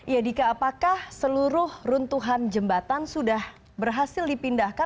yadika apakah seluruh runtuhan jembatan sudah berhasil dipindahkan